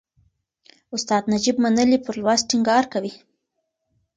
استاد نجيب منلی پر لوست ټینګار کوي.